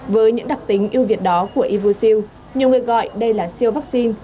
với những đặc tính ưu việt đó của ivocil nhiều người gọi đây là siêu vaccine